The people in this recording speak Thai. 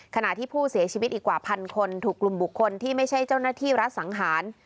ขณะที่ผู้เสียชีวิตอีกกว่าพันคนถูกกลุ่มบุคคลที่ไม่ใช่เจ้าหน้าที่รัฐสังหาร